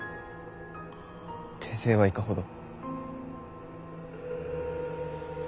手勢はいかほど。